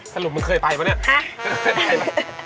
สรุปมันเคยไปไหมเนี่ย